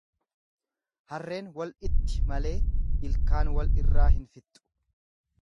Harreen wal dhitti malee ilkaan wal irraa hin fixxu.